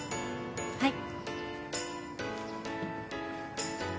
はい。